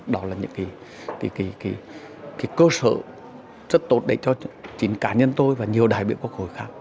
đó là những cơ sở rất tốt đấy cho chính cá nhân tôi và nhiều đại biểu quốc hội khác